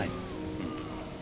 うん。